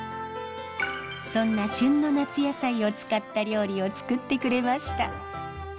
そんな旬の夏野菜を使った料理をつくってくれました。